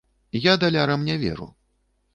Я далярам не веру.